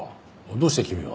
どうして君が？